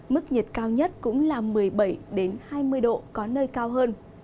mức nhiệt cao nhất cũng là một mươi bảy hai mươi độ có nơi cao hơn